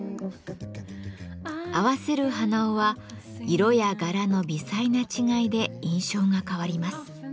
合わせる鼻緒は色や柄の微細な違いで印象が変わります。